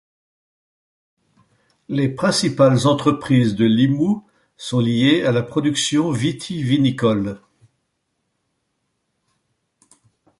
Les principales entreprises de Limoux sont liées à la production viti-vinicole.